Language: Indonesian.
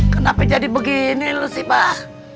kenapa jadi begini lu sih bah